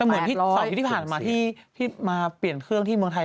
แต่เหมือนที่ที่ผ่านมาที่มาเปลี่ยนเครื่องที่เมืองไทย